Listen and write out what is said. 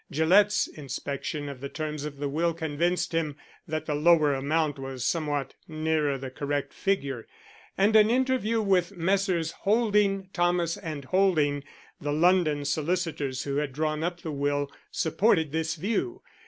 Gillett's inspection of the terms of the will convinced him that the lower amount was somewhat nearer the correct figure; and an interview with Messrs. Holding, Thomas & Holding, the London solicitors who had drawn up the will, supported this view.